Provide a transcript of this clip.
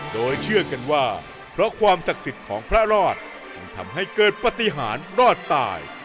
โดยเชื่อกันว่าเพราะความศักดิ์สิทธิ์ของพระรอดจึงทำให้เกิดปฏิหารรอดตาย